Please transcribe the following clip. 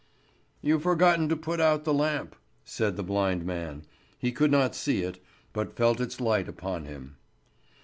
"You've forgotten to put out the lamp," said the blind man. He could not see it, but felt its light upon him.